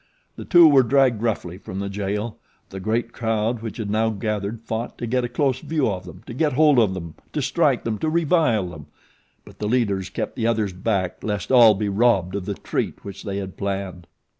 The two were dragged roughly from the jail. The great crowd which had now gathered fought to get a close view of them, to get hold of them, to strike them, to revile them; but the leaders kept the others back lest all be robbed of the treat which they had planned.